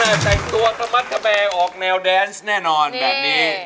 รักษณะแต่งตัวสมัครกระแบออกแนวแดนส์แน่นอนแบบนี้